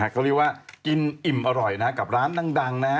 เขาเรียกว่ากินอิ่มอร่อยนะกับร้านดังนะฮะ